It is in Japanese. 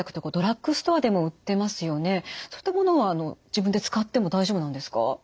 そういったものは自分で使っても大丈夫なんですか？